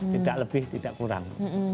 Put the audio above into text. tidak lebih tidak kurang